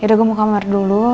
yaudah gua mau kamar dulu